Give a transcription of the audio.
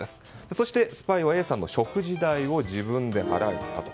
そしてスパイはＡさんの食事代を自分で払ったと。